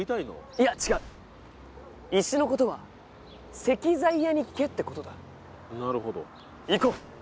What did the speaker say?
いや違う石のことは石材屋に聞けってことだなるほど行こう！